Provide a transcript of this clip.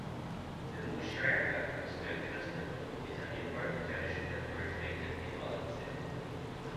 The Muixeranga, a street festival, is an important tradition that originated in Valencia.